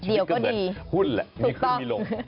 ชีวิตก็เหมือนหุ้นแหละมีขึ้นมีลง